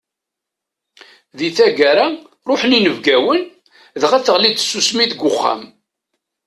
Di tagara, ruḥen inebgawen, dɣa teɣlid tsusmi deg uxxam.